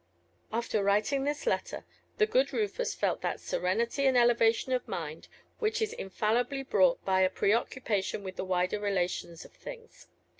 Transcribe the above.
After writing this letter, the good Rufus felt that serenity and elevation of mind which is infallibly brought by a preoccupation with the wider relations of things.